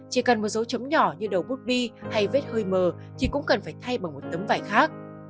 chỉ cần một dấu chấm nhỏ như đầu bút bi hay vết hơi mờ thì cũng cần phải thay bằng một tấm vải khác